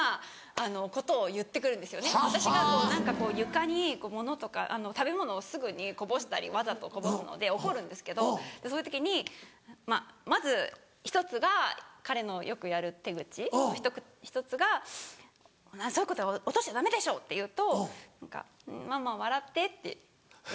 床に物とか食べ物をすぐにこぼしたりわざとこぼすので怒るんですけどそういう時にまず１つが彼のよくやる手口の１つが「落としちゃダメでしょ！」って言うと「ママ笑って」って。